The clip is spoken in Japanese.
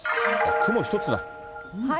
雲一つない。